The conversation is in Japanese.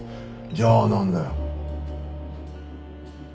じゃあなんだよ？